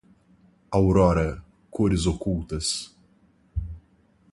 Aurora - Cores Ocultas